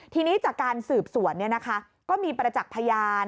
ทีนี้จากการสืบสวนก็มีประจักษ์พยาน